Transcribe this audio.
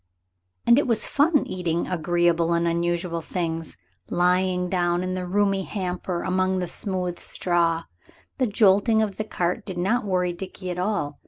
And it was fun eating agreeable and unusual things, lying down in the roomy hamper among the smooth straw. The jolting of the cart did not worry Dickie at all.